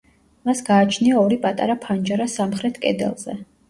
მას გააჩნია ორი პატარა ფანჯარა სამხრეთ კედელზე.